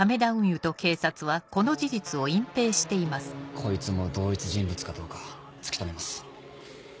こいつも同一人物かどうか突き止めます。